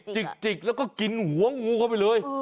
จิกแล้วก็กินหัวงูเข้าไปเลย